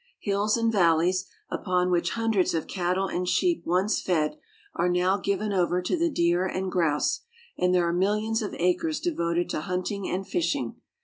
Hills and valleys, upon which hundreds of cattle and sheep once fed, are now given over to the deer and grouse; and there are millions of acres devoted to hunting and fishing.